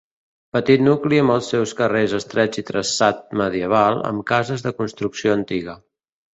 Petit nucli amb els seus carrers estrets i traçat medieval, amb cases de construcció antiga.